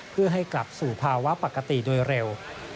เพื่อให้กลับสู่ภาวะปกติโดยเร็ว